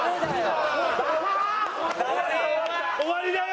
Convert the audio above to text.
終わりだよ！